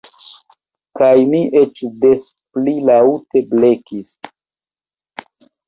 Kaj mi eĉ des pli laŭte blekis.